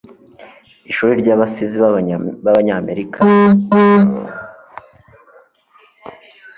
ishuri ry'abasizi b'abanyamerika rishyigikira abasizi